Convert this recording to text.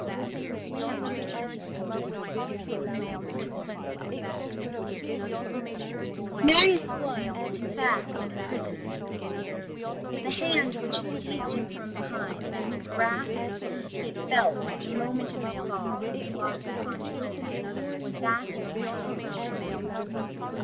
CHAPTER XXIV—PRISONER Marius was, in fact, a prisoner. The hand which had seized him from behind and whose grasp he had felt at the moment of his fall and his loss of consciousness was that of Jean Valjean.